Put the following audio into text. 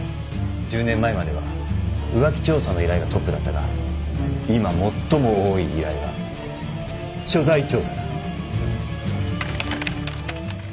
１０年前までは浮気調査の依頼がトップだったが今最も多い依頼は所在調査だ。